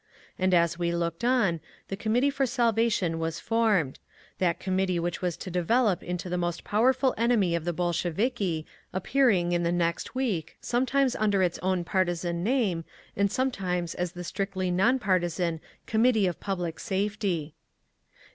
And as we looked on, the Committee for Salvation was formed—that Committee which was to develop into the most powerful enemy of the Bolsheviki, appearing, in the next week, sometimes under its own partisan name, and sometimes as the strictly non partisan Committee of Public Safety….